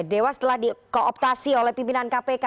dewas telah dikooptasi oleh pimpinan kpk